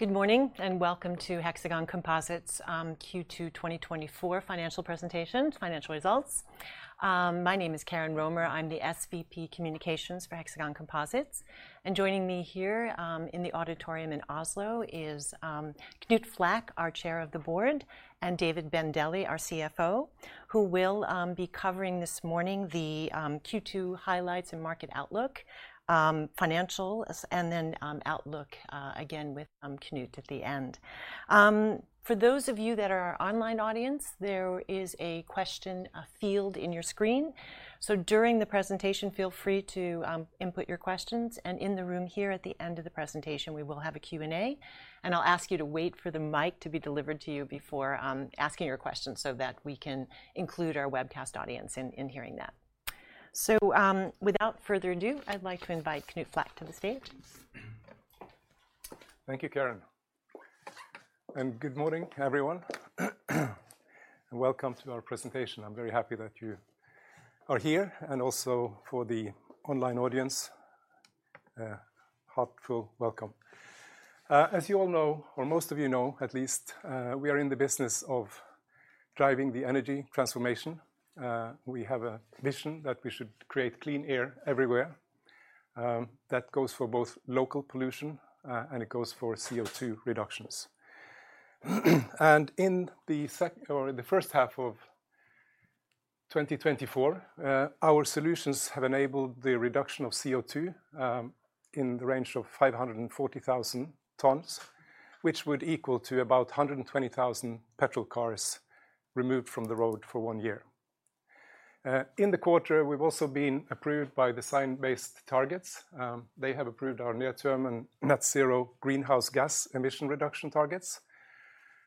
Good morning, and welcome to Hexagon Composites, Q2 2024 financial presentation, financial results. My name is Karen Romer, I'm the SVP Communications for Hexagon Composites, and joining me here, in the auditorium in Oslo is, Knut Flakk, our Chair of the Board, and David Bandele, our CFO, who will be covering this morning the, Q2 highlights and market outlook, financial, as and then, outlook, again, with, Knut at the end. For those of you that are our online audience, there is a question, a field in your screen. So during the presentation, feel free to input your questions, and in the room here at the end of the presentation, we will have a Q&A, and I'll ask you to wait for the mic to be delivered to you before asking your questions so that we can include our webcast audience in hearing that. So, without further ado, I'd like to invite Knut Flakk to the stage. Thank you, Karen, and good morning, everyone, and welcome to our presentation. I'm very happy that you are here, and also for the online audience, a heartfelt welcome. As you all know, or most of you know, at least, we are in the business of driving the energy transformation. We have a vision that we should create clean air everywhere. That goes for both local pollution, and it goes for CO2 reductions. And in the first half of 2024, our solutions have enabled the reduction of CO2 in the range of 540,000 tons, which would equal to about 120,000 petrol cars removed from the road for one year. In the quarter, we've also been approved by the Science Based Targets. They have approved our near-term and net zero greenhouse gas emission reduction targets,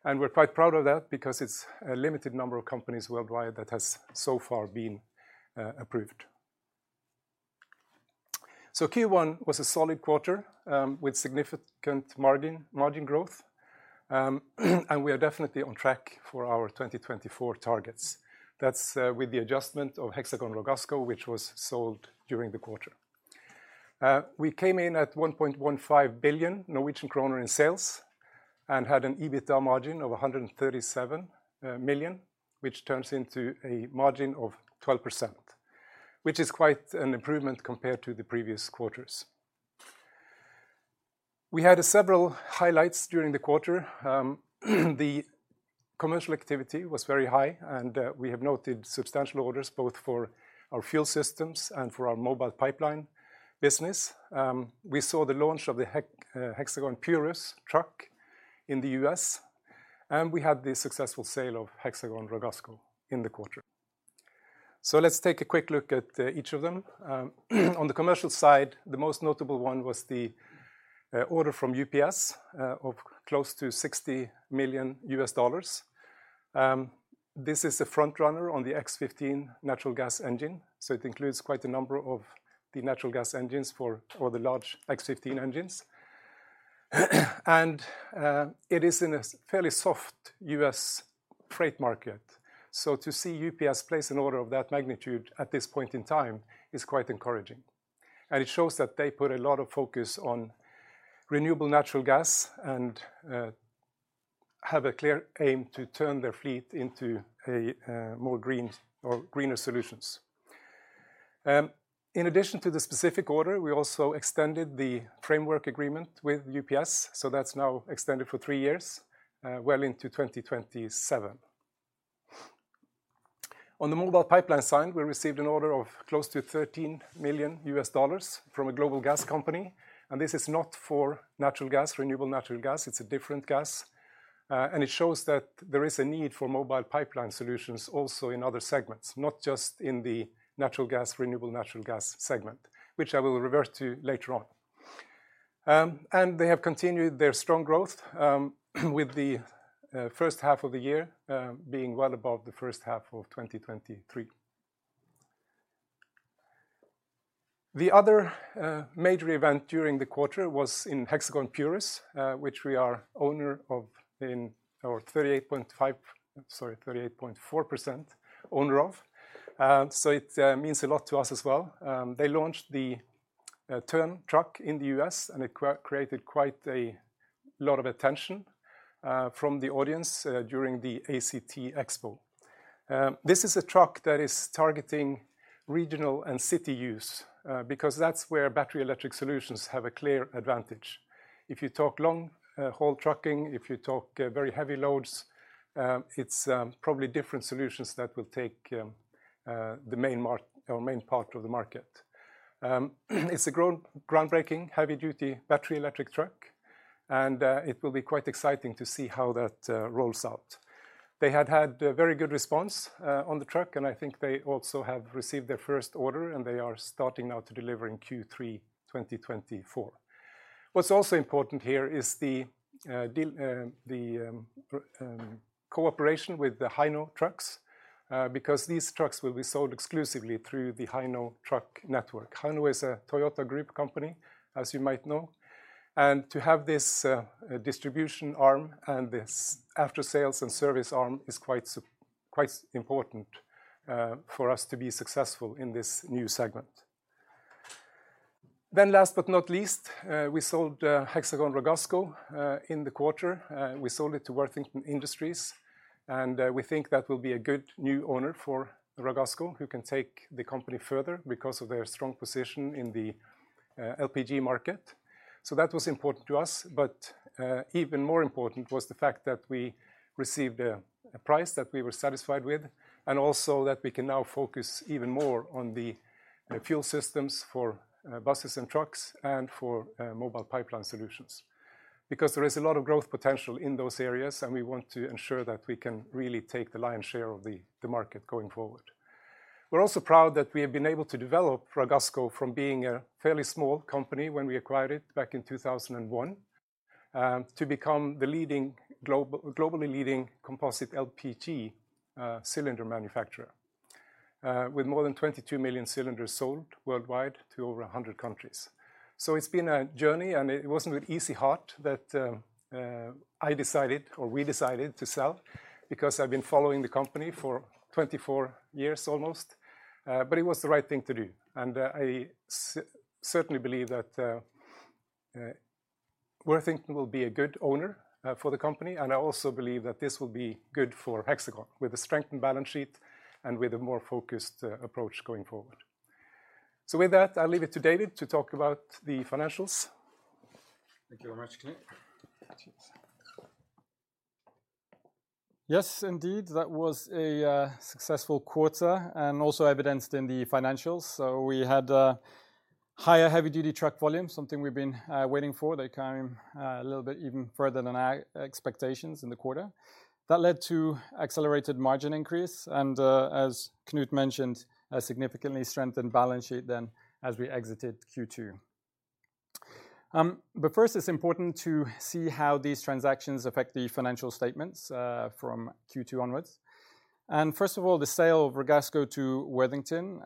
and we're quite proud of that because it's a limited number of companies worldwide that has so far been approved. So Q1 was a solid quarter with significant margin, margin growth, and we are definitely on track for our 2024 targets. That's with the adjustment of Hexagon Ragasco, which was sold during the quarter. We came in at 1.15 billion Norwegian kroner in sales and had an EBITDA margin of 137 million, which turns into a margin of 12%, which is quite an improvement compared to the previous quarters. We had several highlights during the quarter. The commercial activity was very high, and we have noted substantial orders, both for our fuel systems and for our Mobile Pipeline business. We saw the launch of the Hexagon Purus truck in the U.S., and we had the successful sale of Hexagon Ragasco in the quarter. So let's take a quick look at each of them. On the commercial side, the most notable one was the order from UPS of close to $60 million. This is a front runner on the X15 natural gas engine, so it includes quite a number of the natural gas engines for the large X15 engines. It is in a fairly soft U.S. freight market, so to see UPS place an order of that magnitude at this point in time is quite encouraging, and it shows that they put a lot of focus on renewable natural gas and have a clear aim to turn their fleet into a more green or greener solutions. In addition to the specific order, we also extended the framework agreement with UPS, so that's now extended for three years, well into 2027. On the Mobile Pipeline side, we received an order of close to $13 million from a global gas company, and this is not for natural gas, renewable natural gas, it's a different gas. And it shows that there is a need for Mobile Pipeline solutions also in other segments, not just in the natural gas, renewable natural gas segment, which I will revert to later on. And they have continued their strong growth, with the first half of the year being well above the first half of 2023. The other major event during the quarter was in Hexagon Purus, which we are owner of in-- or 38.4% owner of, so it means a lot to us as well. They launched the Tern truck in the U.S., and it created quite a lot of attention from the audience during the ACT Expo. This is a truck that is targeting regional and city use, because that's where battery electric solutions have a clear advantage. If you talk long-haul trucking, if you talk very heavy loads, it's probably different solutions that will take the main market or main part of the market. It's a groundbreaking, heavy-duty battery electric truck, and it will be quite exciting to see how that rolls out. They had a very good response on the truck, and I think they also have received their first order, and they are starting now to deliver in Q3 2024. What's also important here is the deal, the cooperation with the Hino Trucks, because these trucks will be sold exclusively through the Hino truck network. Hino is a Toyota Group company, as you might know, and to have this distribution arm and this after-sales and service arm is quite important for us to be successful in this new segment. Then last but not least, we sold Hexagon Ragasco in the quarter. We sold it to Worthington Industries, and we think that will be a good new owner for Ragasco, who can take the company further because of their strong position in the LPG market. So that was important to us, but even more important was the fact that we received a price that we were satisfied with, and also that we can now focus even more on the fuel systems for buses and trucks and for Mobile Pipeline solutions. Because there is a lot of growth potential in those areas, and we want to ensure that we can really take the lion's share of the market going forward. We're also proud that we have been able to develop Ragasco from being a fairly small company when we acquired it back in 2001, to become the globally leading composite LPG cylinder manufacturer, with more than 22 million cylinders sold worldwide to over 100 countries. So it's been a journey, and it wasn't with easy heart that I decided, or we decided to sell, because I've been following the company for 24 years almost. But it was the right thing to do, and I certainly believe that Worthington will be a good owner for the company, and I also believe that this will be good for Hexagon, with a strengthened balance sheet and with a more focused approach going forward. So with that, I'll leave it to David to talk about the financials. Thank you very much, Knut. Thank you. Yes, indeed, that was a successful quarter and also evidenced in the financials. So we had higher heavy-duty truck volumes, something we've been waiting for. They came a little bit even further than our expectations in the quarter. That led to accelerated margin increase, and as Knut mentioned, a significantly strengthened balance sheet then as we exited Q2. But first, it's important to see how these transactions affect the financial statements from Q2 onwards. First of all, the sale of Ragasco to Worthington,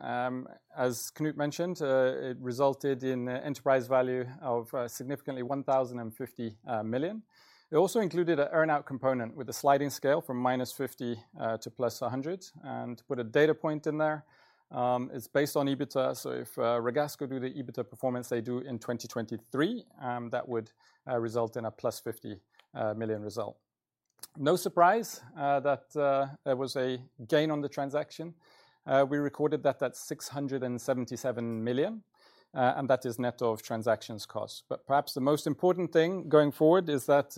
as Knut mentioned, it resulted in an enterprise value of significantly 1,050 million. It also included an earn-out component with a sliding scale from -50 to +100, and to put a data point in there, it's based on EBITDA, so if, Ragasco do the EBITDA performance they do in 2023, that would, result in a +50 million result. No surprise, that, there was a gain on the transaction. We recorded that at 677 million, and that is net of transaction costs. But perhaps the most important thing going forward is that,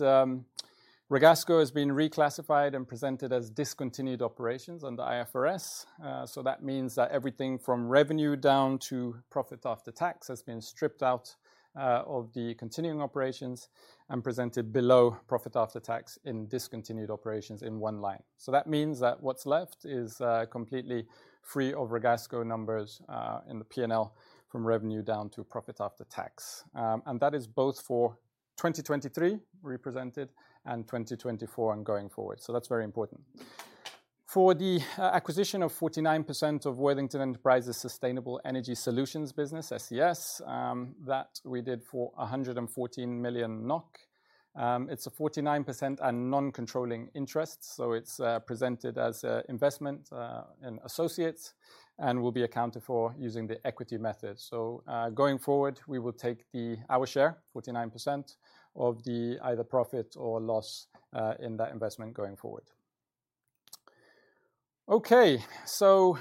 Ragasco has been reclassified and presented as discontinued operations under IFRS. So that means that everything from revenue down to profit after tax has been stripped out, of the continuing operations and presented below profit after tax in discontinued operations in one line. So that means that what's left is completely free of Ragasco numbers in the P&L from revenue down to profit after tax. And that is both for 2023, represented, and 2024 and going forward, so that's very important. For the acquisition of 49% of Worthington Enterprises' Sustainable Energy Solutions business, SES, that we did for 114 million NOK. It's a 49% and non-controlling interest, so it's presented as an investment in associates and will be accounted for using the equity method. So going forward, we will take our share, 49%, of the either profit or loss in that investment going forward. Okay, so,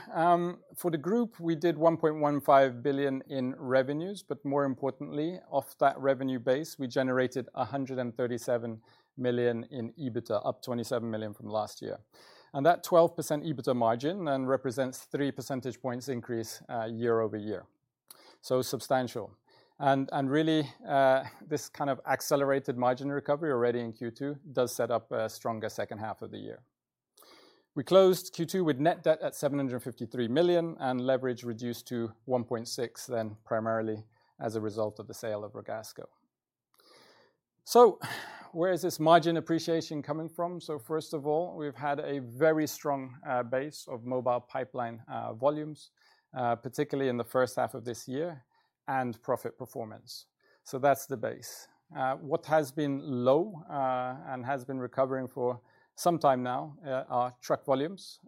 for the group, we did 1.15 billion in revenues, but more importantly, off that revenue base, we generated 137 million in EBITDA, up 27 million from last year. And that 12% EBITDA margin then represents three percentage points increase year-over-year, so substantial. And really, this kind of accelerated margin recovery already in Q2 does set up a stronger second half of the year. We closed Q2 with net debt at 753 million, and leverage reduced to 1.6, then primarily as a result of the sale of Ragasco. So where is this margin appreciation coming from? So first of all, we've had a very strong base of Mobile Pipeline volumes, particularly in the first half of this year, and profit performance. So that's the base. What has been low, and has been recovering for some time now, are truck volumes.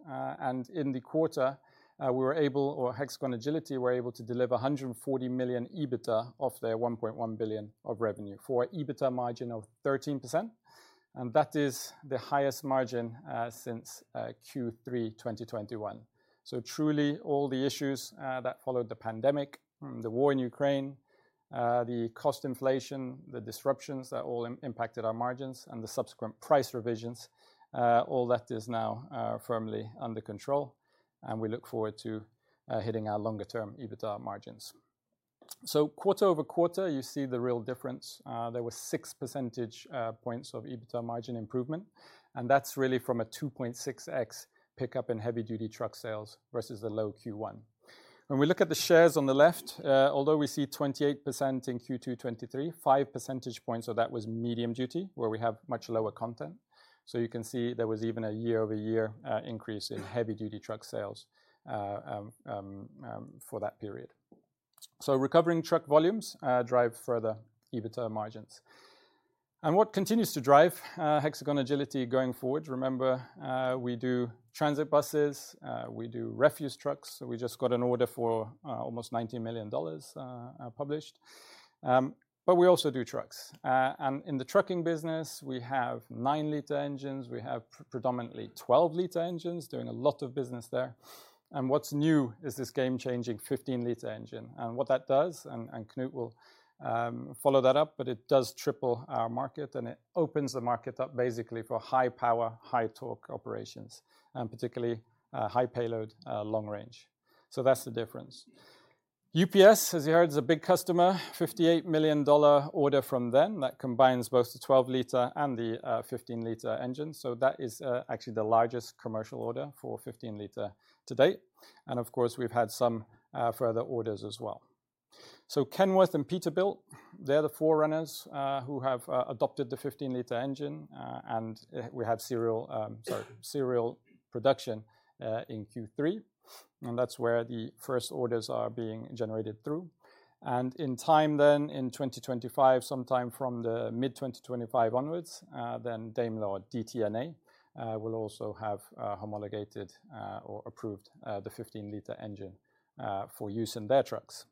In the quarter, we were able, or Hexagon Agility were able to deliver 140 million EBITDA off their 1.1 billion of revenue, for a EBITDA margin of 13%, and that is the highest margin, since Q3 2021. So truly, all the issues, that followed the pandemic, the war in Ukraine, the cost inflation, the disruptions that all impacted our margins and the subsequent price revisions, all that is now, firmly under control, and we look forward to, hitting our longer-term EBITDA margins. So quarter-over-quarter, you see the real difference. There were six percentage points of EBITDA margin improvement, and that's really from a 2.6x pickup in heavy-duty truck sales versus the low Q1. When we look at the shares on the left, although we see 28% in Q2 2023, five percentage points of that was medium-duty, where we have much lower content. So you can see there was even a year-over-year increase in heavy-duty truck sales for that period. So recovering truck volumes drive further EBITDA margins. What continues to drive Hexagon Agility going forward, remember, we do transit buses, we do refuse trucks. So we just got an order for almost $90 million published. But we also do trucks. In the trucking business, we have 9L engines, we have predominantly 12L engines, doing a lot of business there. And what's new is this game-changing 15L engine, and what that does, and Knut will follow that up, but it does triple our market, and it opens the market up basically for high power, high torque operations, and particularly high payload, long range. So that's the difference. UPS, as you heard, is a big customer, $58 million order from them that combines both the 12L and the 15L engine, so that is actually the largest commercial order for 15L to date. And of course, we've had some further orders as well. So Kenworth and Peterbilt, they're the forerunners who have adopted the 15L engine, and we have serial production in Q3, and that's where the first orders are being generated through. And in time then, in 2025, sometime from the mid-2025 onwards, then Daimler or DTNA will also have homologated or approved the 15L engine for use in their trucks.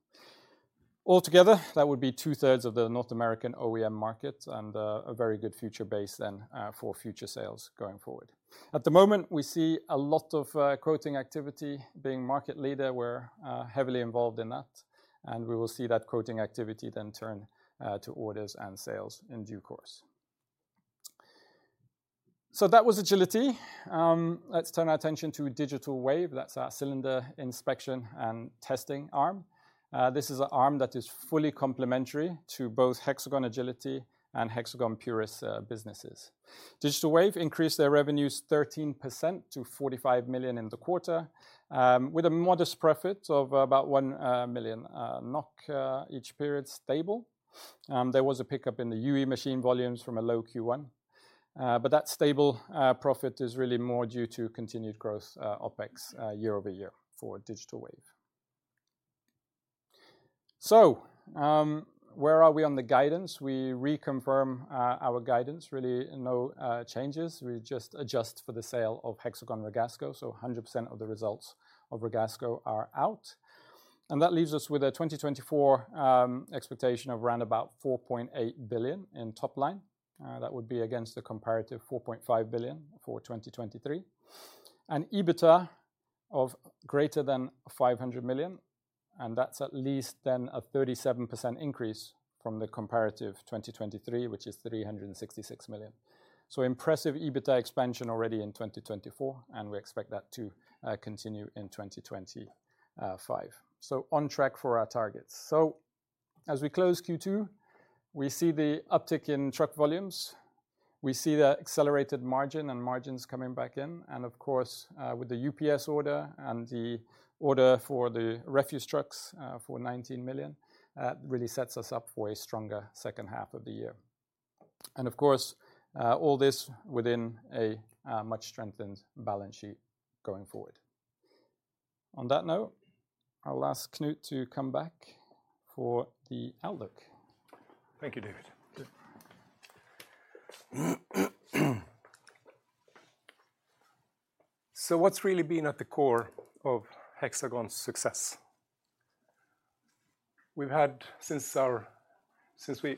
Altogether, that would be two-thirds of the North American OEM market, and a very good future base then for future sales going forward. At the moment, we see a lot of quoting activity. Being market leader, we're heavily involved in that, and we will see that quoting activity then turn to orders and sales in due course. So that was Agility. Let's turn our attention to Digital Wave. That's our cylinder inspection and testing arm. This is an arm that is fully complementary to both Hexagon Agility and Hexagon Purus businesses. Digital Wave increased their revenues 13% to 45 million in the quarter, with a modest profit of about 1 million NOK each period stable. There was a pickup in the UE machine volumes from a low Q1, but that stable profit is really more due to continued growth OpEx year-over-year for Digital Wave. So, where are we on the guidance? We reconfirm our guidance. Really no changes, we just adjust for the sale of Hexagon Ragasco, so 100% of the results of Ragasco are out. And that leaves us with a 2024 expectation of around about 4.8 billion in top line. That would be against the comparative 4.5 billion for 2023. EBITDA of greater than 500 million, and that's at least then a 37% increase from the comparative 2023, which is 366 million. So impressive EBITDA expansion already in 2024, and we expect that to continue in 2025. So on track for our targets. So as we close Q2, we see the uptick in truck volumes, we see the accelerated margin and margins coming back in, and of course, with the UPS order and the order for the refuse trucks for 19 million, really sets us up for a stronger second half of the year. And of course, all this within a much strengthened balance sheet going forward. On that note, I'll ask Knut to come back for the outlook. Thank you, David. So what's really been at the core of Hexagon's success? We've had, since we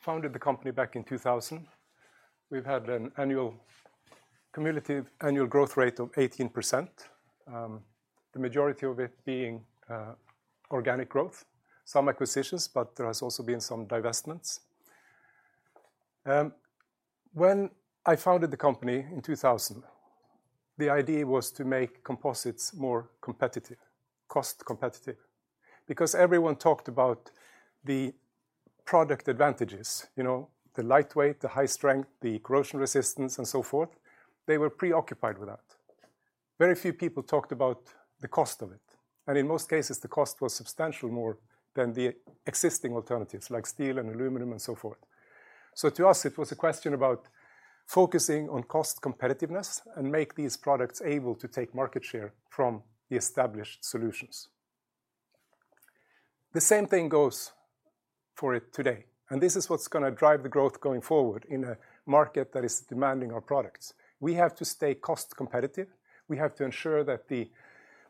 founded the company back in 2000, we've had an annual, cumulative annual growth rate of 18%, the majority of it being organic growth, some acquisitions, but there has also been some divestments. When I founded the company in 2000, the idea was to make composites more competitive, cost competitive, because everyone talked about the product advantages, you know, the light weight, the high strength, the corrosion resistance, and so forth. They were preoccupied with that. Very few people talked about the cost of it, and in most cases, the cost was substantial more than the existing alternatives, like steel and aluminum and so forth. So to us, it was a question about focusing on cost competitiveness and make these products able to take market share from the established solutions. The same thing goes for it today, and this is what's gonna drive the growth going forward in a market that is demanding our products. We have to stay cost competitive. We have to ensure that the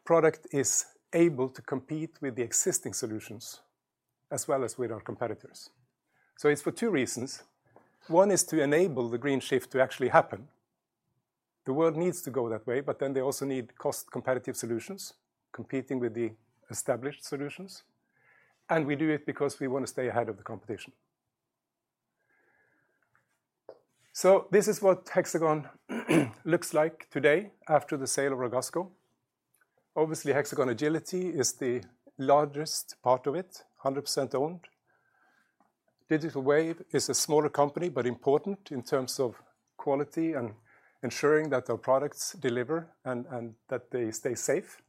product is able to compete with the existing solutions, as well as with our competitors. So it's for two reasons. One is to enable the green shift to actually happen. The world needs to go that way, but then they also need cost-competitive solutions, competing with the established solutions, and we do it because we want to stay ahead of the competition. So this is what Hexagon looks like today after the sale of Ragasco. Obviously, Hexagon Agility is the largest part of it, 100% owned. Digital Wave is a smaller company, but important in terms of quality and ensuring that our products deliver and that they stay safe.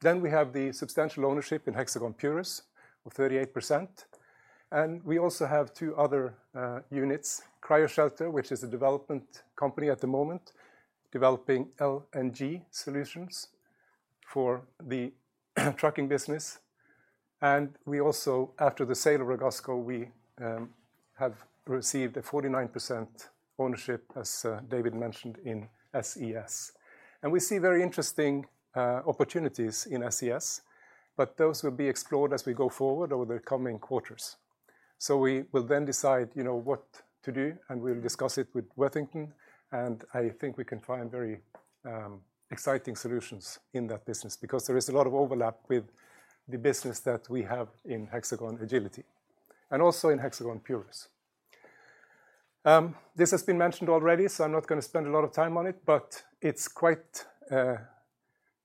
Then we have the substantial ownership in Hexagon Purus of 38%, and we also have two other units, Hexagon CryoShelter, which is a development company at the moment, developing LNG solutions for the trucking business. And we also, after the sale of Hexagon Ragasco, we have received a 49% ownership, as David mentioned, in SES. And we see very interesting opportunities in SES, but those will be explored as we go forward over the coming quarters. So we will then decide, you know, what to do, and we'll discuss it with Worthington, and I think we can find very exciting solutions in that business because there is a lot of overlap with the business that we have in Hexagon Agility, and also in Hexagon Purus. This has been mentioned already, so I'm not gonna spend a lot of time on it, but it's quite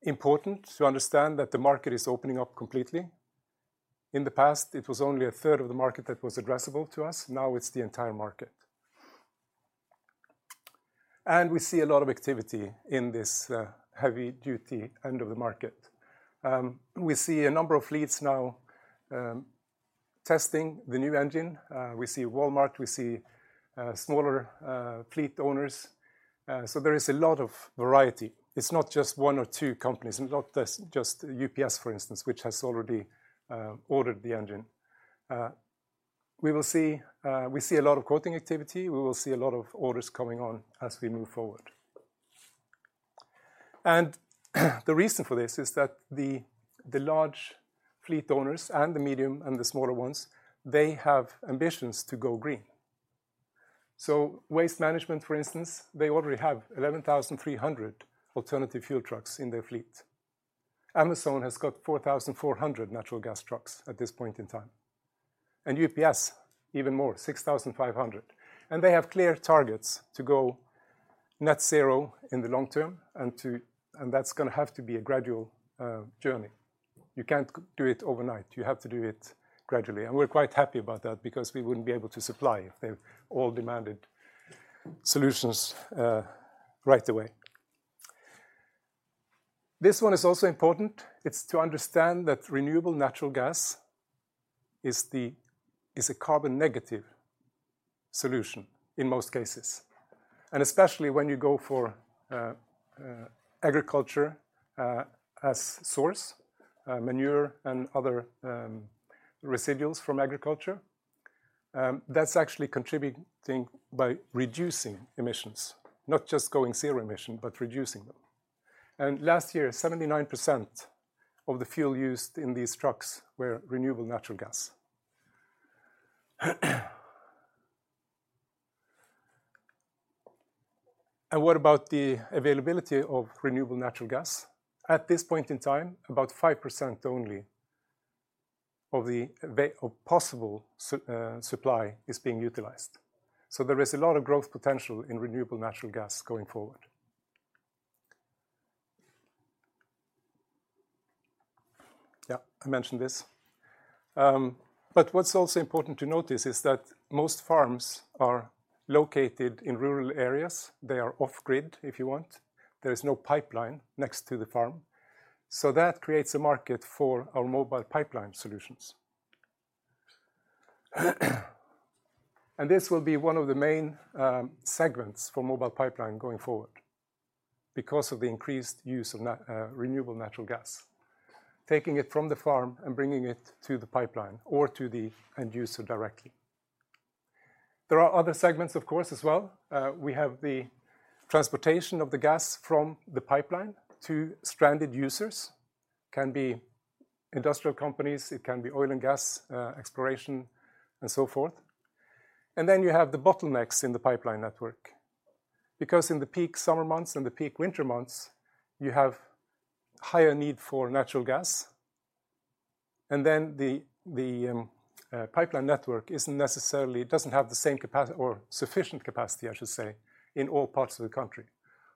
important to understand that the market is opening up completely. In the past, it was only a third of the market that was addressable to us, now it's the entire market. And we see a lot of activity in this heavy-duty end of the market. We see a number of fleets now testing the new engine. We see Walmart, we see smaller fleet owners, so there is a lot of variety. It's not just one or two companies, not just, just UPS, for instance, which has already ordered the engine. We will see, we see a lot of quoting activity, we will see a lot of orders coming on as we move forward. And the reason for this is that the large fleet owners, and the medium, and the smaller ones, they have ambitions to go green. So Waste Management, for instance, they already have 11,300 alternative fuel trucks in their fleet. Amazon has got 4,400 natural gas trucks at this point in time, and UPS, even more, 6,500. And they have clear targets to go Net Zero in the long term, and to-- and that's gonna have to be a gradual journey. You can't do it overnight, you have to do it gradually. And we're quite happy about that because we wouldn't be able to supply if they all demanded solutions right away. This one is also important. It's to understand that renewable natural gas is the, is a carbon negative solution in most cases, and especially when you go for agriculture as source, manure and other residuals from agriculture. That's actually contributing by reducing emissions, not just going zero emission, but reducing them. And last year, 79% of the fuel used in these trucks were renewable natural gas. And what about the availability of renewable natural gas? At this point in time, about 5% only of the available supply is being utilized, so there is a lot of growth potential in renewable natural gas going forward. Yeah, I mentioned this. But what's also important to notice is that most farms are located in rural areas. They are off grid, if you want. There is no pipeline next to the farm, so that creates a market for our Mobile Pipeline solutions. And this will be one of the main segments for Mobile Pipeline going forward because of the increased use of renewable natural gas. Taking it from the farm and bringing it to the pipeline or to the end user directly. There are other segments, of course, as well. We have the transportation of the gas from the pipeline to stranded users. Can be industrial companies, it can be oil and gas exploration, and so forth. And then you have the bottlenecks in the pipeline network, because in the peak summer months and the peak winter months, you have higher need for natural gas, and then the pipeline network isn't necessarily. It doesn't have the same capacity or sufficient capacity, I should say, in all parts of the country.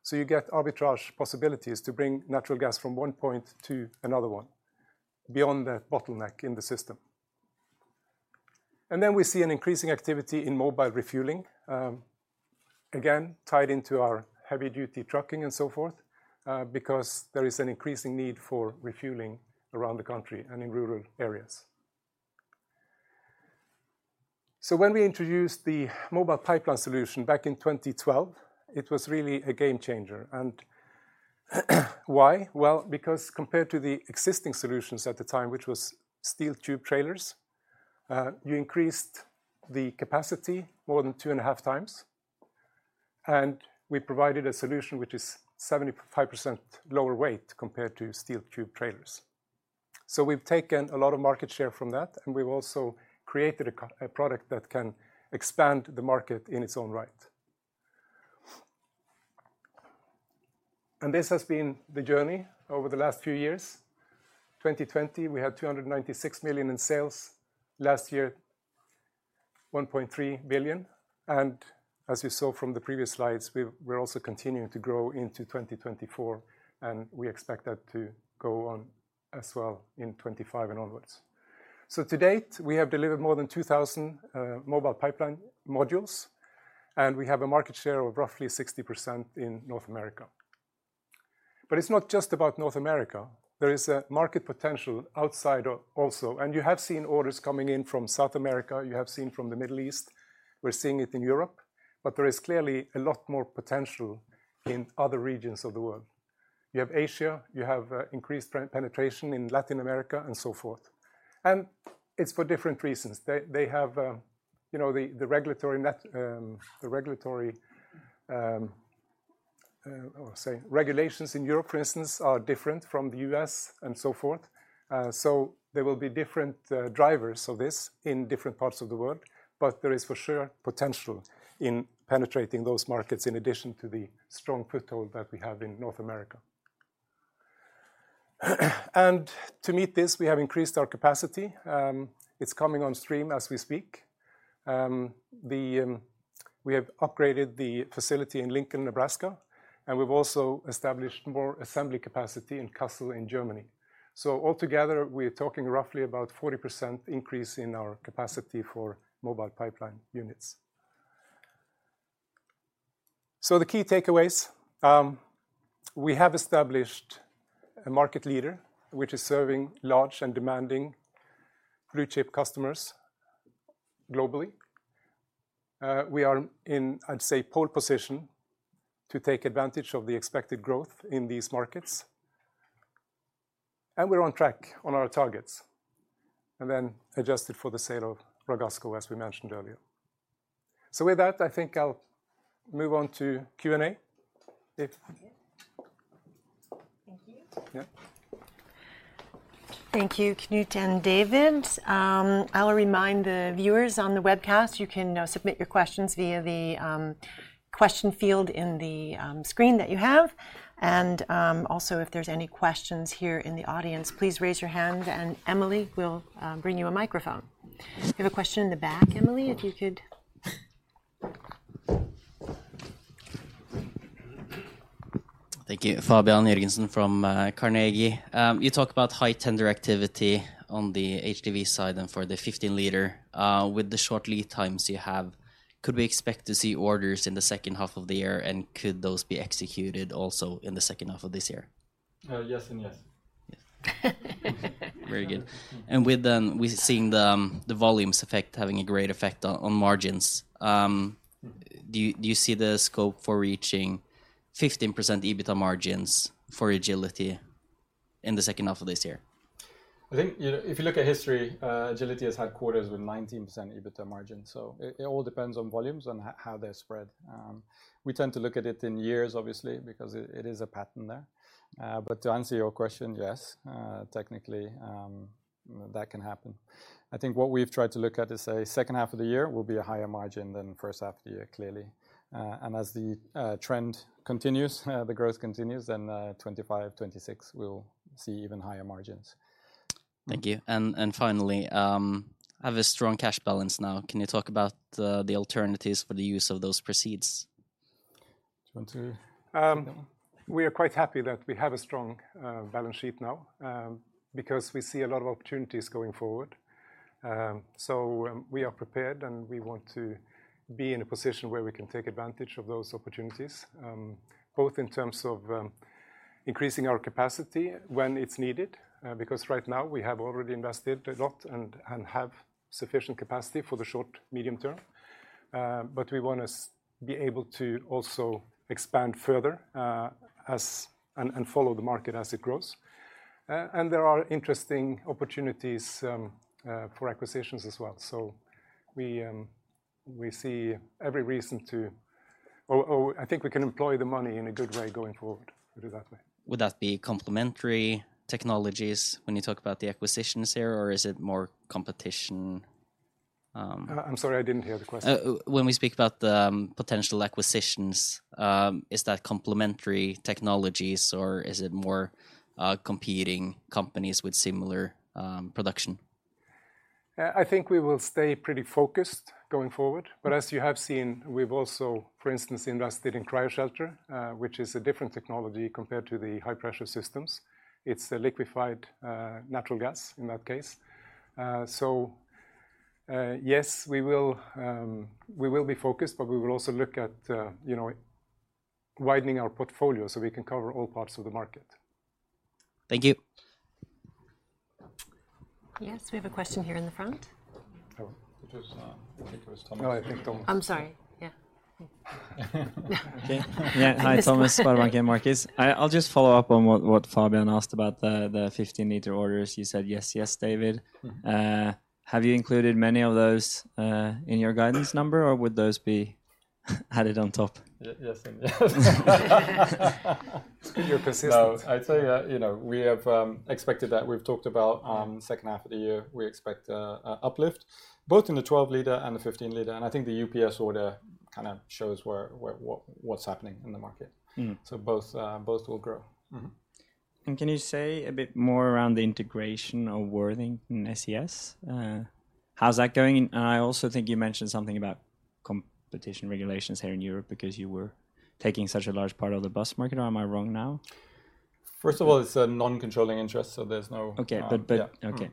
So you get arbitrage possibilities to bring natural gas from one point to another one, beyond the bottleneck in the system. And then we see an increasing activity in mobile refueling, again, tied into our heavy duty trucking and so forth, because there is an increasing need for refueling around the country and in rural areas. So when we introduced the Mobile Pipeline solution back in 2012, it was really a game changer. And why? Well, because compared to the existing solutions at the time, which was steel tube trailers, you increased the capacity more than two and a half times, and we provided a solution which is 75% lower weight compared to steel tube trailers. So we've taken a lot of market share from that, and we've also created a product that can expand the market in its own right. And this has been the journey over the last few years. 2020, we had 296 million in sales. Last year, 1.3 billion, and as you saw from the previous slides, we're also continuing to grow into 2024, and we expect that to go on as well in 2025 and onwards. So to date, we have delivered more than 2,000 Mobile Pipeline modules, and we have a market share of roughly 60% in North America. But it's not just about North America, there is a market potential outside also, and you have seen orders coming in from South America, you have seen from the Middle East, we're seeing it in Europe, but there is clearly a lot more potential in other regions of the world. You have Asia, you have increased penetration in Latin America, and so forth. And it's for different reasons. They, they have, you know, the, the regulatory net, the regulatory, say, regulations in Europe, for instance, are different from the US, and so forth. So there will be different drivers of this in different parts of the world, but there is for sure potential in penetrating those markets in addition to the strong foothold that we have in North America. And to meet this, we have increased our capacity. It's coming on stream as we speak. We have upgraded the facility in Lincoln, Nebraska, and we've also established more assembly capacity in Kassel in Germany. So altogether, we're talking roughly about 40% increase in our capacity for Mobile Pipeline units. So the key takeaways, we have established a market leader, which is serving large and demanding blue-chip customers globally. We are in, I'd say, pole position to take advantage of the expected growth in these markets. And we're on track on our targets, and then adjusted for the sale of Ragasco, as we mentioned earlier. With that, I think I'll move on to Q&A, if- Yeah. Thank you. Yeah. Thank you, Knut and David. I'll remind the viewers on the webcast, you can submit your questions via the question field in the screen that you have. Also, if there's any questions here in the audience, please raise your hand, and Emily will bring you a microphone. We have a question in the back, Emily, if you could... Thank you. Fabian Jørgensen from, Carnegie. You talk about high tender activity on the HDV side and for the 15-liter. With the short lead times you have, could we expect to see orders in the second half of the year, and could those be executed also in the second half of this year? Yes and yes. Yes. Very good. And with the volumes effect, we've seen the volumes effect having a great effect on margins. Mm. Do you see the scope for reaching 15% EBITDA margins for Agility in the second half of this year? I think, you know, if you look at history, Agility has had quarters with 19% EBITDA margin, so it all depends on volumes and how they're spread. We tend to look at it in years, obviously, because it is a pattern there. But to answer your question, yes, technically, that can happen. I think what we've tried to look at is, second half of the year will be a higher margin than first half of the year, clearly. And as the trend continues, the growth continues, then, 2025, 2026, we'll see even higher margins. Thank you. And, finally, have a strong cash balance now. Can you talk about the alternatives for the use of those proceeds? Do you want to... We are quite happy that we have a strong, balance sheet now, because we see a lot of opportunities going forward. So, we are prepared, and we want to be in a position where we can take advantage of those opportunities, both in terms of, increasing our capacity when it's needed, because right now we have already invested a lot and have sufficient capacity for the short, medium term. But we want to be able to also expand further, and follow the market as it grows. And there are interesting opportunities for acquisitions as well. So we see every reason to... or, I think we can employ the money in a good way going forward. Put it that way. Would that be complementary technologies when you talk about the acquisitions here, or is it more competition? I'm sorry, I didn't hear the question. When we speak about the potential acquisitions, is that complementary technologies, or is it more competing companies with similar production? I think we will stay pretty focused going forward. Mm. But as you have seen, we've also, for instance, invested in CryoShelter, which is a different technology compared to the high-pressure systems. It's a liquefied natural gas, in that case. So, yes, we will be focused, but we will also look at, you know, widening our portfolio so we can cover all parts of the market. Thank you. Yes, we have a question here in the front. Oh, I think it was Thomas. No, I think Thomas. I'm sorry. Yeah. Okay. Yeah. Hi, Thomas Dowling Næss, SB1 Markets. I- I'll just follow up on what, what Fabian Jørgensen asked about the, the 15L orders. You said, "Yes, yes, David Bandele. Mm. Have you included many of those in your guidance number, or would those be added on top? Yes, and yes. You're persistent. No, I'd say that, you know, we have expected that. We've talked about second half of the year, we expect an uplift, both in the 12L and the 15L, and I think the UPS order kind of shows what's happening in the market. Mm. Both, both will grow. Mm-hmm. And can you say a bit more around the integration of Worthington SES? How's that going? And I also think you mentioned something about competition regulations here in Europe because you were taking such a large part of the bus market, or am I wrong now? First of all, it's a non-controlling interest, so there's no- Okay, but, Yeah. Okay.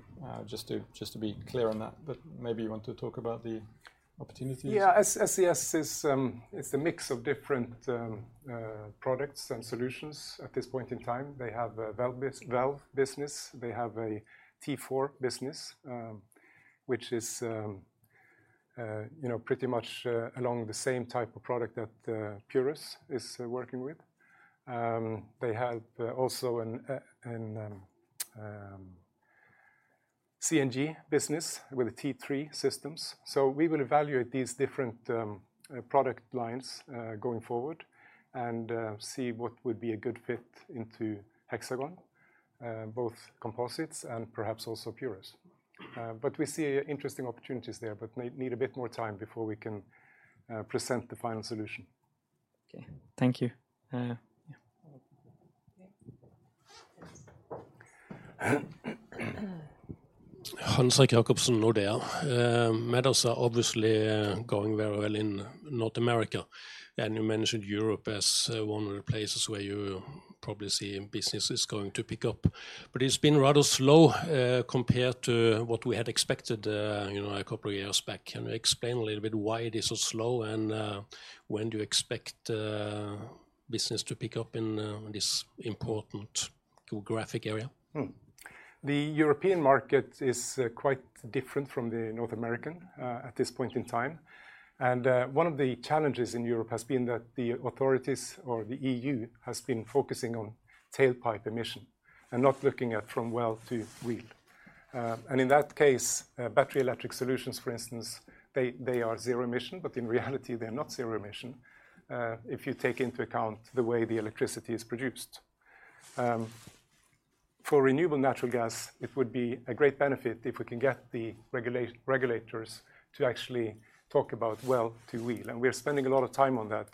Just to, just to be clear on that, but maybe you want to talk about the opportunities? Yeah, SES is, it's a mix of different products and solutions at this point in time. They have a valve business. They have a T4 business, which is, you know, pretty much along the same type of product that Purus is working with. They have also an CNG business with the T3 systems. So we will evaluate these different product lines going forward, and see what would be a good fit into Hexagon, both composites and perhaps also Purus. But we see interesting opportunities there, but need a bit more time before we can present the final solution. Okay, thank you. Yeah. Okay. Hans-Erik Jacobsen, Nordea. Modules are obviously going very well in North America, and you mentioned Europe as one of the places where you probably see business is going to pick up. But it's been rather slow compared to what we had expected, you know, a couple of years back. Can you explain a little bit why it is so slow, and when do you expect business to pick up in this important geographic area? The European market is quite different from the North American at this point in time. One of the challenges in Europe has been that the authorities or the EU has been focusing on tailpipe emission and not looking at from well to wheel. In that case, battery electric solutions, for instance, they are zero emission, but in reality, they are not zero emission if you take into account the way the electricity is produced. For renewable natural gas, it would be a great benefit if we can get the regulators to actually talk about well to wheel, and we are spending a lot of time on that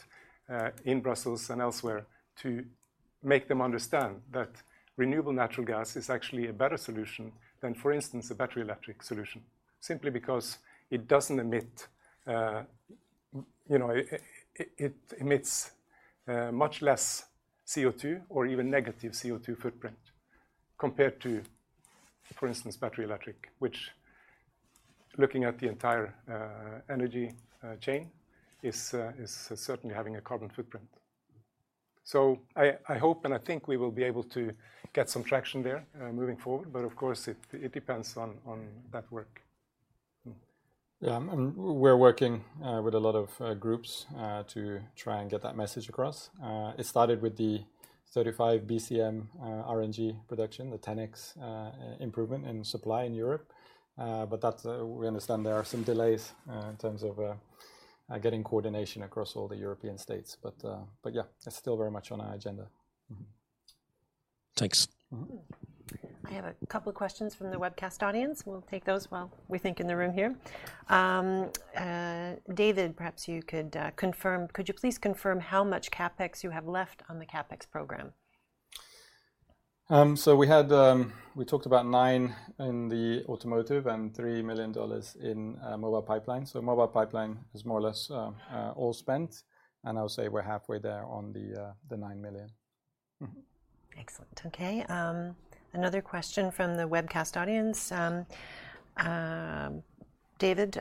in Brussels and elsewhere, to make them understand that renewable natural gas is actually a better solution than, for instance, a battery electric solution, simply because it doesn't emit. You know, it emits much less CO2 or even negative CO2 footprint compared to, for instance, battery electric, which, looking at the entire energy chain, is certainly having a carbon footprint. So I hope and I think we will be able to get some traction there moving forward, but of course, it depends on that work. Yeah, and we're working with a lot of groups to try and get that message across. It started with the 35 BCM RNG production, the 10x improvement in supply in Europe. But we understand there are some delays in terms of getting coordination across all the European states. But yeah, it's still very much on our agenda. Mm-hmm. Thanks. Mm-hmm. Mm. I have a couple of questions from the webcast audience. We'll take those while we think in the room here. David, perhaps you could confirm. Could you please confirm how much CapEx you have left on the CapEx program? So we had. We talked about $9 million in the automotive and $3 million in Mobile Pipeline. So Mobile Pipeline is more or less all spent, and I would say we're halfway there on the $9 million. Mm-hmm. Excellent. Okay, another question from the webcast audience. David,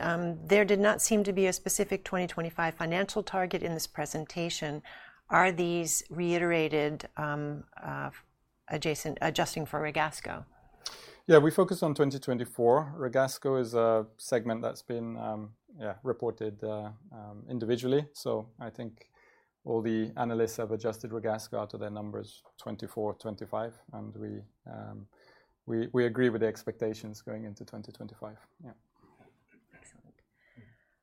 there did not seem to be a specific 2025 financial target in this presentation. Are these reiterated, adjusting for Ragasco? Yeah, we focused on 2024. Ragasco is a segment that's been, yeah, reported individually. So I think all the analysts have adjusted Ragasco to their numbers, 2024, 2025, and we agree with the expectations going into 2025. Yeah. Excellent.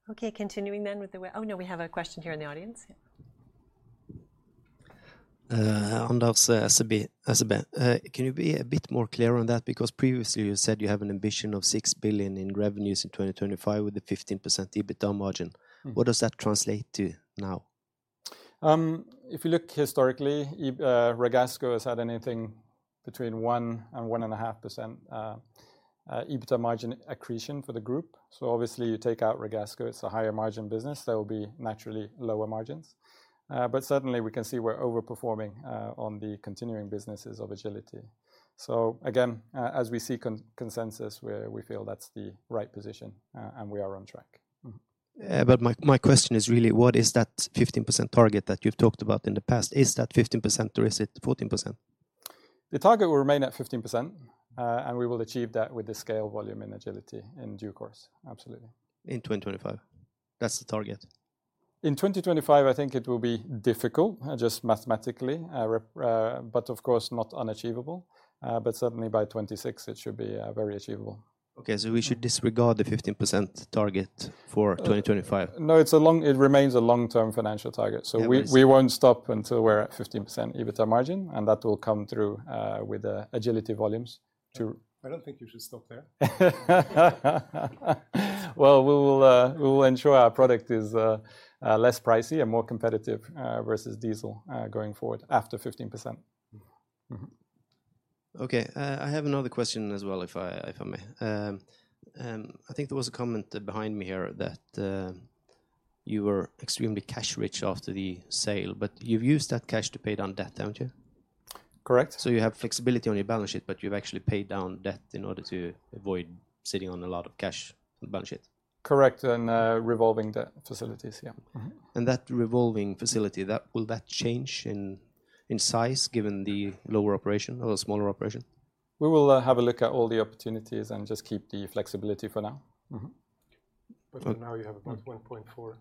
Okay, continuing then with the web- Oh, no, we have a question here in the audience. Yeah. Anders Rosenlund. Can you be a bit more clear on that? Because previously, you said you have an ambition of 6 billion in revenues in 2025, with a 15% EBITDA margin. Mm. What does that translate to now? If you look historically, EBITDA, Ragasco has had anything between 1% and 1.5% EBITDA margin accretion for the group. So obviously, you take out Ragasco, it's a higher margin business, there will be naturally lower margins. But certainly, we can see we're overperforming on the continuing businesses of Agility. So again, as we see consensus, we feel that's the right position, and we are on track. My question is really, what is that 15% target that you've talked about in the past? Is that 15% or is it 14%? The target will remain at 15%, and we will achieve that with the scale volume in Agility in due course, absolutely. In 2025, that's the target? In 2025, I think it will be difficult, just mathematically, but of course, not unachievable. But certainly, by 2026, it should be very achievable. Okay, so we should disregard the 15% target for 2025? No, it remains a long-term financial target. Yeah, but- So we won't stop until we're at 15% EBITDA margin, and that will come through with the Agility volumes to- I don't think you should stop there. Well, we will ensure our product is less pricey and more competitive versus diesel going forward after 15%. Mm-hmm. Okay, I have another question as well, if I, if I may. I think there was a comment behind me here that you were extremely cash-rich after the sale, but you've used that cash to pay down debt, haven't you? Correct. So you have flexibility on your balance sheet, but you've actually paid down debt in order to avoid sitting on a lot of cash on the balance sheet? Correct, and, revolving debt facilities, yeah. Mm-hmm. That revolving facility, will that change in size, given the lower operation or the smaller operation?... We will have a look at all the opportunities and just keep the flexibility for now. Mm-hmm. But for now, you have about 1.4-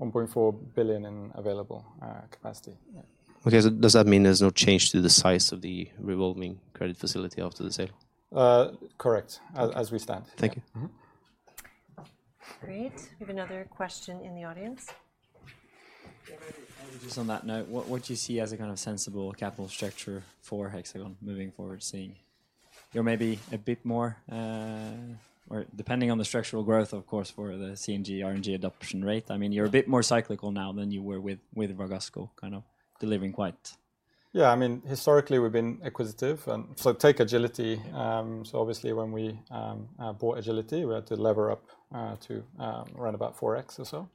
1.4 billion in available capacity. Yeah. Okay, so does that mean there's no change to the size of the revolving credit facility after the sale? Correct, as we stand. Thank you. Mm-hmm. Great. We have another question in the audience. Just on that note, what do you see as a kind of sensible capital structure for Hexagon moving forward, seeing... You're maybe a bit more, or depending on the structural growth, of course, for the CNG, RNG adoption rate, I mean, you're a bit more cyclical now than you were with Ragasco, kind of delivering quite. Yeah, I mean, historically, we've been acquisitive, and so take Agility. So obviously, when we bought Agility, we had to lever up to around about 4x or so.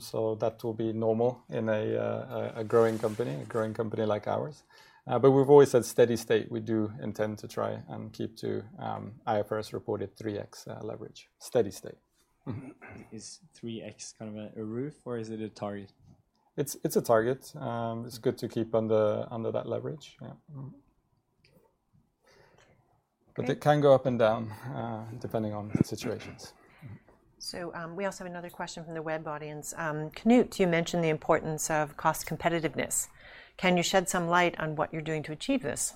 So that will be normal in a growing company like ours. But we've always said steady state, we do intend to try and keep to IFRS-reported 3x leverage, steady state. Mm-hmm. Is 3x kind of a roof, or is it a target? It's a target. It's good to keep under that leverage. Yeah, mm-hmm. Okay. But it can go up and down, depending on the situations. We also have another question from the web audience. Knut, you mentioned the importance of cost competitiveness. Can you shed some light on what you're doing to achieve this?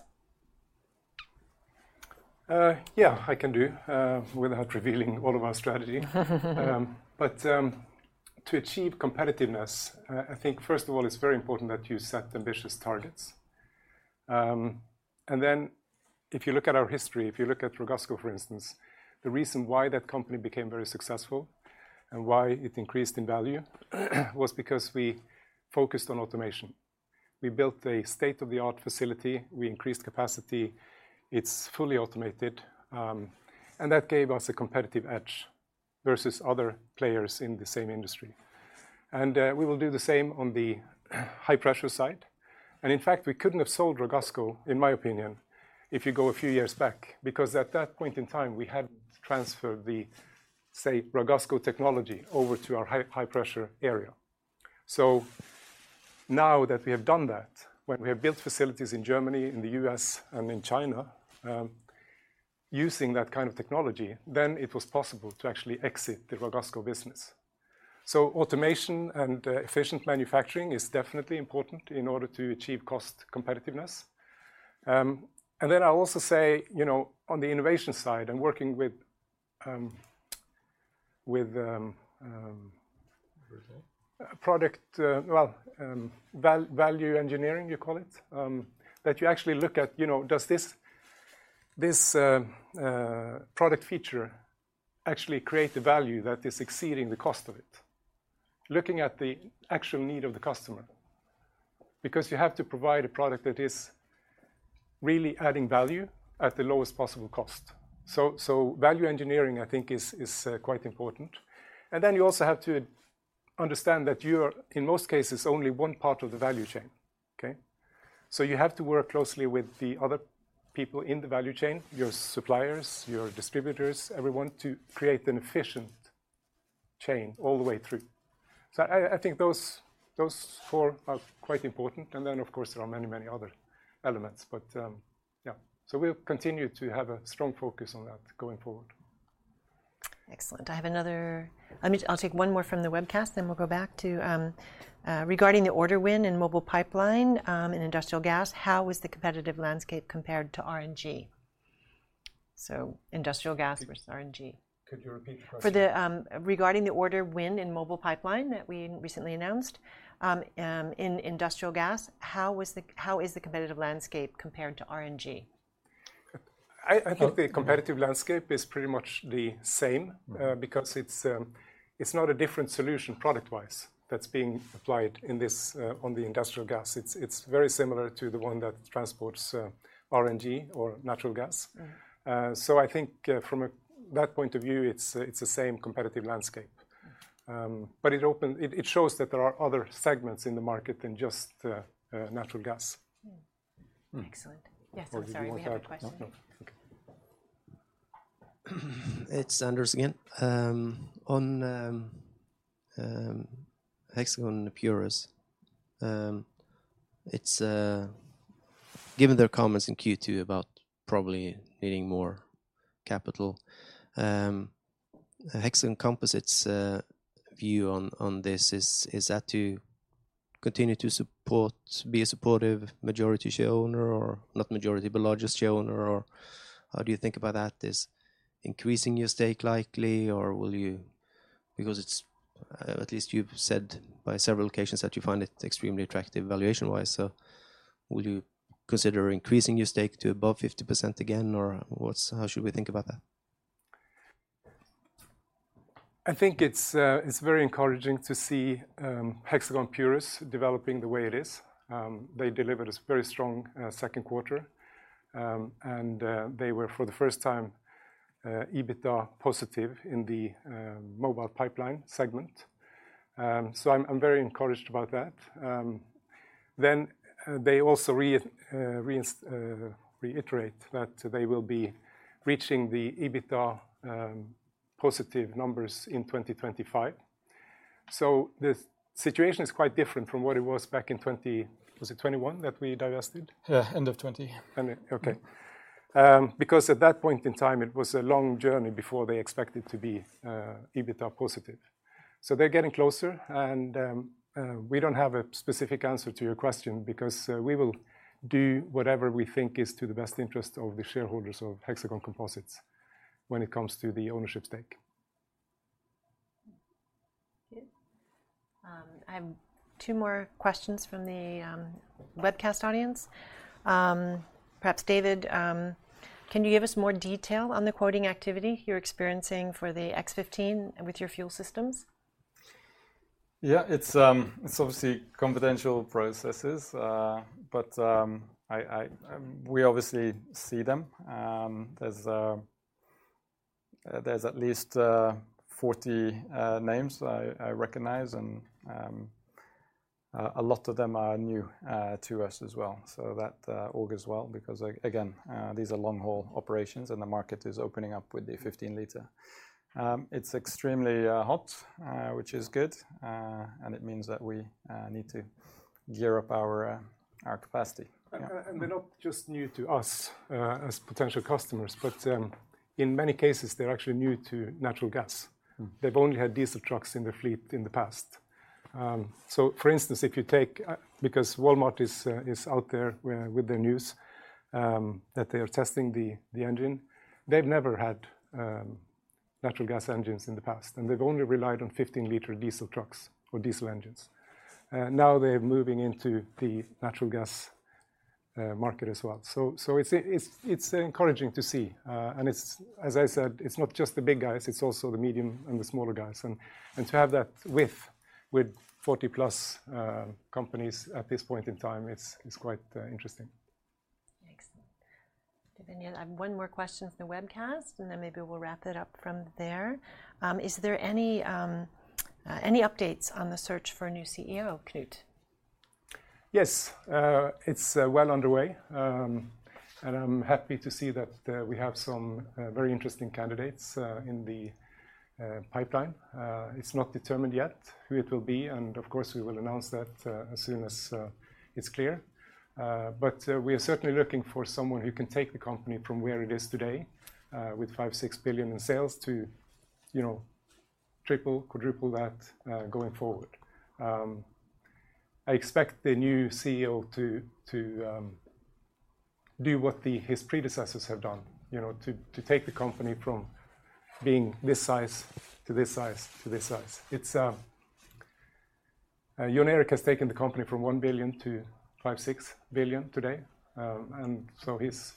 Yeah, I can do without revealing all of our strategy. But to achieve competitiveness, I think, first of all, it's very important that you set ambitious targets. And then, if you look at our history, if you look at Ragasco, for instance, the reason why that company became very successful and why it increased in value, was because we focused on automation. We built a state-of-the-art facility. We increased capacity. It's fully automated, and that gave us a competitive edge versus other players in the same industry. And we will do the same on the high-pressure side. And in fact, we couldn't have sold Ragasco, in my opinion, if you go a few years back, because at that point in time, we hadn't transferred the, say, Ragasco technology over to our high, high-pressure area. So now that we have done that, when we have built facilities in Germany, in the U.S., and in China, using that kind of technology, then it was possible to actually exit the Ragasco business. So automation and efficient manufacturing is definitely important in order to achieve cost competitiveness. And then I'll also say, you know, on the innovation side and working with Value... product, well, value engineering, you call it. That you actually look at, you know, does this product feature actually create the value that is exceeding the cost of it? Looking at the actual need of the customer. Because you have to provide a product that is really adding value at the lowest possible cost. So value engineering, I think, is quite important. And then you also have to understand that you are, in most cases, only one part of the value chain, okay? So you have to work closely with the other people in the value chain, your suppliers, your distributors, everyone, to create an efficient chain all the way through. So I think those four are quite important, and then, of course, there are many, many other elements. But, yeah. So we'll continue to have a strong focus on that going forward. Excellent. I have another. Let me, I'll take one more from the webcast, then we'll go back to... Regarding the order win in Mobile Pipeline, in industrial gas, how was the competitive landscape compared to RNG? So industrial gas versus RNG. Could you repeat the question? Regarding the order win in Mobile Pipeline that we recently announced in industrial gas, how is the competitive landscape compared to RNG? I think the competitive landscape is pretty much the same- Mm... because it's not a different solution, product-wise, that's being applied in this on the industrial gas. It's very similar to the one that transports RNG or natural gas. Mm. So I think, from that point of view, it's the same competitive landscape. But it shows that there are other segments in the market than just natural gas. Mm. Excellent. Mm. Yes, I'm sorry. We have a question. No, no. Okay. It's Anders again. On Hexagon Purus, it's... Given their comments in Q2 about probably needing more capital, Hexagon Composites view on this, is that to continue to support, be a supportive majority share owner, or not majority, but largest shareowner, or how do you think about that? Is increasing your stake likely, or will you... Because it's at least you've said by several occasions that you find it extremely attractive valuation-wise, so will you consider increasing your stake to above 50% again, or what's- how should we think about that? I think it's very encouraging to see Hexagon Purus developing the way it is. They delivered a very strong second quarter. And they were, for the first time, EBITDA positive in the Mobile Pipeline segment. So I'm very encouraged about that. Then they also reiterate that they will be reaching the EBITDA positive numbers in 2025. So the situation is quite different from what it was back in 20, was it 2021 that we divested? Yeah, end of 2020. End, okay. Because at that point in time, it was a long journey before they expected to be EBITDA positive. So they're getting closer, and we don't have a specific answer to your question because we will do whatever we think is to the best interest of the shareholders of Hexagon Composites when it comes to the ownership stake. Good. I have two more questions from the webcast audience. Perhaps David, can you give us more detail on the quoting activity you're experiencing for the X15 with your fuel systems? Yeah, it's obviously confidential processes. But we obviously see them. There's at least 40 names I recognize, and a lot of them are new to us as well. So that augurs well, because again, these are long-haul operations, and the market is opening up with the 15L. It's extremely hot, which is good, and it means that we need to gear up our capacity. They're not just new to us as potential customers, but in many cases, they're actually new to natural gas. Mm. They've only had diesel trucks in their fleet in the past. So for instance, if you take, because Walmart is, is out there with, with the news, that they are testing the, the engine, they've never had, natural gas engines in the past, and they've only relied on 15L diesel trucks or diesel engines. Now they're moving into the natural gas, market as well. So, so it's, it's, it's encouraging to see. And it's, as I said, it's not just the big guys, it's also the medium and the smaller guys. And, and to have that with, with 40+, companies at this point in time, it's, it's quite, interesting. Excellent. Do you have any... I have one more question from the webcast, and then maybe we'll wrap it up from there. Is there any... any updates on the search for a new CEO, Knut? Yes. It's well underway. I'm happy to see that we have some very interesting candidates in the pipeline. It's not determined yet who it will be, and of course, we will announce that as soon as it's clear. But we are certainly looking for someone who can take the company from where it is today, with 5-6 billion in sales to, you know, triple, quadruple that going forward. I expect the new CEO to do what his predecessors have done, you know, to take the company from being this size, to this size, to this size. It's Jon Erik has taken the company from 1 billion to 5-6 billion today. and so it's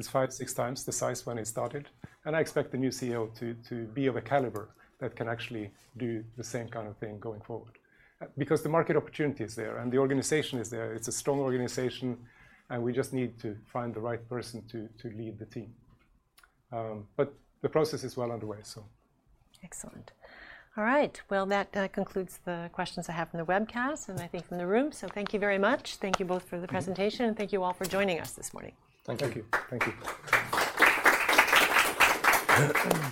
5-6 times the size when he started, and I expect the new CEO to be of a caliber that can actually do the same kind of thing going forward. Because the market opportunity is there, and the organization is there. It's a strong organization, and we just need to find the right person to lead the team. But the process is well underway, so... Excellent. All right. Well, that concludes the questions I have from the webcast and I think from the room. Thank you very much. Thank you both for the presentation, and thank you all for joining us this morning. Thank you. Thank you. Thank you.